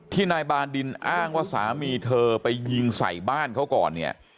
นายบาดินอ้างว่าสามีเธอไปยิงใส่บ้านเขาก่อนเนี่ย